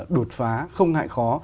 đột phá không hại khó